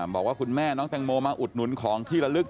บอกว่าคุณแม่น้องแตงโมมาอุดหนุนของที่ละลึก